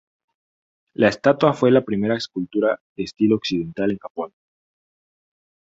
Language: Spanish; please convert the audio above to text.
La estatua fue la primera escultura de estilo occidental en Japón.